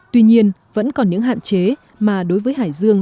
tuy nhiên vẫn còn những hạn chế mà đối với hải dương